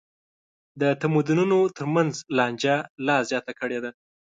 د تمدنونو تر منځ لانجه لا زیاته کړې ده.